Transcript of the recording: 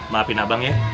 maafin abang ya